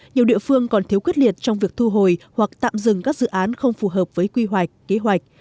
nhiều địa phương còn thiếu quyết liệt trong việc thu hồi hoặc tạm dừng các dự án không phù hợp với quy hoạch kế hoạch